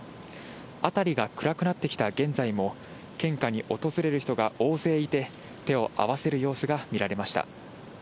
辺りが暗くなってきた現在も、献花に訪れる人が大勢いて、手を合わせる様子が見られました。